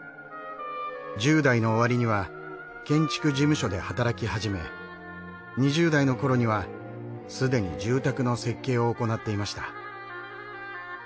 １０代の終わりには建築事務所で働き始め２０代の頃にはすでに住宅の設計を行っていました。